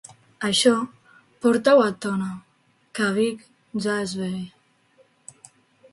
Això, porta-ho a Tona, que a Vic ja és vell!